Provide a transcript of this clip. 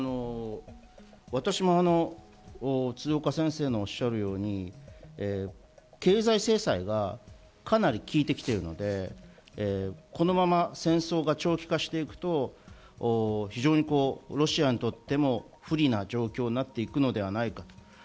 私も鶴岡先生のおっしゃるように経済制裁がかなり効いてきているので、このまま戦争が長期化していくと、非常にロシアにとっても不利な状況になっていくのではないかと。